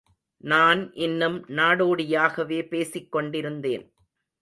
நான் இன்னும் நாடோடியாகவே பேசிக்கொண்டிருந்தேன்.